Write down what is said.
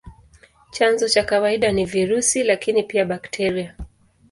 Chanzo cha kawaida ni virusi, lakini pia bakteria.